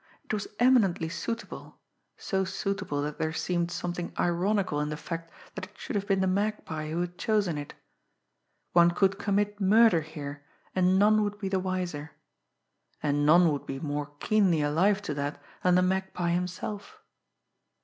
It was eminently suitable, so suitable that there seemed something ironical in the fact that it should have been the Magpie who had chosen it. One could commit murder here, and none would be the wiser and none would be more keenly alive to that than the Magpie himself!